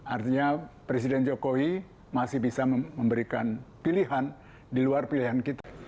artinya presiden jokowi masih bisa memberikan pilihan di luar pilihan kita